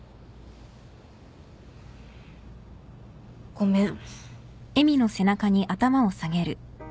ごめん。